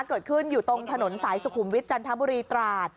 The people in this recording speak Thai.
เกิดขึ้นอยู่ตรงถนนสายสุขุมวิทยจันทบุรีตราด